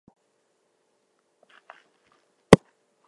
Large parts of the old city were destroyed.